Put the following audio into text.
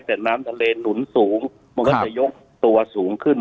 แต่น้ำทะเลหนุนสูงมันก็จะยกตัวสูงขึ้น